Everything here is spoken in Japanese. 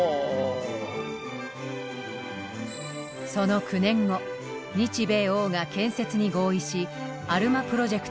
その９年後日米欧が建設に合意しアルマプロジェクトは動きだした。